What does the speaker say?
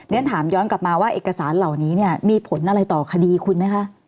ฉันถามย้อนกลับมาว่าเอกสารเหล่านี้เนี่ยมีผลอะไรต่อคดีคุณไหมคะ